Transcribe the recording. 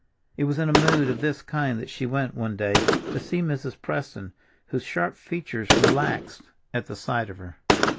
It was in a mood of this kind that she went one day to see Mrs. Preston, whose sharp features relaxed at the sight of her.